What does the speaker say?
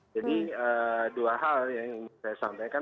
jadi dua hal yang ingin saya sampaikan